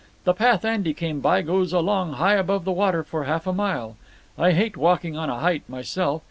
The path Andy came by goes along high above the water for half a mile. I hate walking on a height myself.